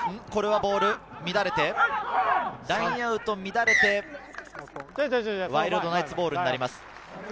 これはボールが乱れて、ラインアウト乱れて、ワイルドナイツボールになります。